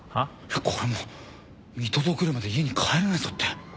これもう見届けるまで家に帰れないぞって。